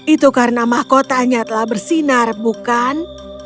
itu karena mahkotanya telah bersinar bukan